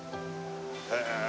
へえ。